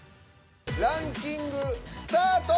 ランキングスタート！